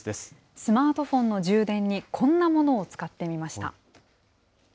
スマートフォンの充電に、こんなものを使ってみました。